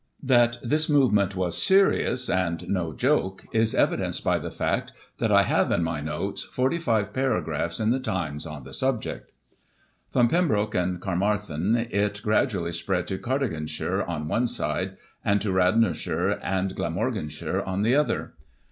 That this movement was serious and no joke, is evidenced by the fact that I have, in my notes, 45 paragraphs in the Times on the subject. From Pembroke and Caermarthen, it gradually spread to Cardiganshire, on one side, and to Radnorshire and Glam organshire, on the other.